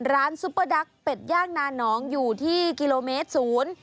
ซุปเปอร์ดักเป็ดย่างนานองอยู่ที่กิโลเมตรศูนย์